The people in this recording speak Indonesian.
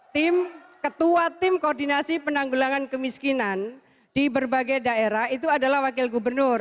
tim ketua tim koordinasi penanggulangan kemiskinan di berbagai daerah itu adalah wakil gubernur